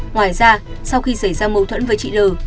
ngoài ra sau khi xảy ra mâu thuẫn với chị lư